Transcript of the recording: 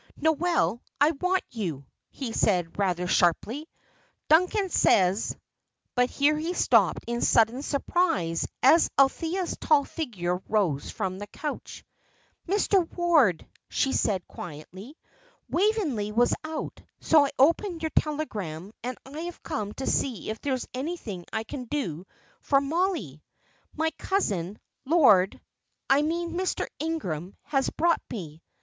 "Noel, I want you!" he said, rather sharply. "Duncan says " but here he stopped in sudden surprise as Althea's tall figure rose from the couch. "Mr. Ward," she said, quietly, "Waveney was out, so I opened your telegram, and I have come to see if there is anything I can do for Mollie. My cousin, Lord I mean Mr. Ingram, has brought me."